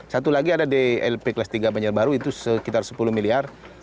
satu lagi ada di lp kelas tiga banjarbaru itu sekitar sepuluh miliar